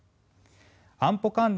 安保関連